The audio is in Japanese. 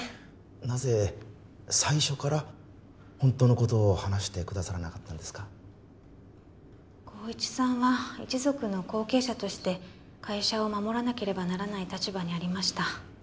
なぜ最初から本当のことを話してくださらなかったんですか功一さんは一族の後継者として会社を守らなければならない立場にありました